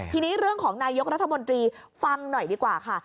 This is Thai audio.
ทีนี้เรื่องของนายกรัฐมนตรีฟังหน่อยดีกว่าค่ะ